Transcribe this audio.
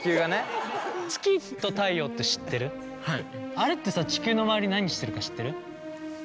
あれってさ地球の周り何してるか知ってる？